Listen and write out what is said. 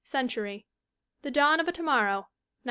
Century. The Dawn of a To Morrow, 1909.